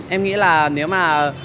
em nghĩ là nếu mà